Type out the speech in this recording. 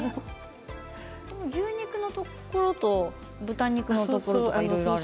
牛肉のところと豚肉のところといろいろあるんですね。